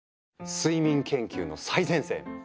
睡眠研究の最前線！